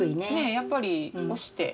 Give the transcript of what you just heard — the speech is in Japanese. やっぱりおして。